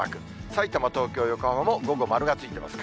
さいたま、東京、横浜も午後丸がついてます。